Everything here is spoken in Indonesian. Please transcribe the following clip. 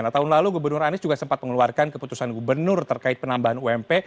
nah tahun lalu gubernur anies juga sempat mengeluarkan keputusan gubernur terkait penambahan ump